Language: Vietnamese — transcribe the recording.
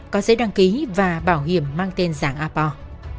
có giấy đăng ký và bảo hiểm mang tên dạng apoc